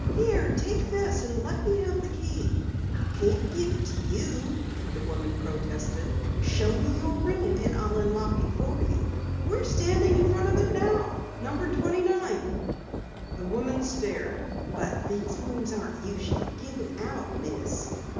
"Here, take this, and let me have the key." "I can't give it to you," the woman protested. "Show me your room and I'll unlock it for you." "We're standing in front of it now. Number 29." The woman stared. "But these rooms aren't usually given out, Miss."